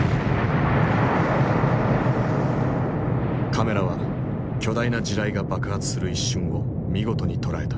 カメラは巨大な地雷が爆発する一瞬を見事に捉えた。